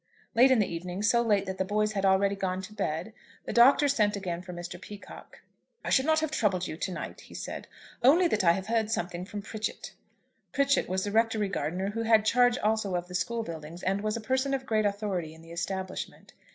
Late in the evening, so late that the boys had already gone to bed, the Doctor sent again for Mr. Peacocke. "I should not have troubled you to night," he said, "only that I have heard something from Pritchett." Pritchett was the rectory gardener who had charge also of the school buildings, and was a person of great authority in the establishment.